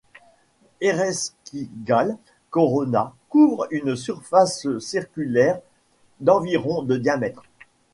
Ereshkigal Corona couvre une surface circulaire d'environ de diamètre.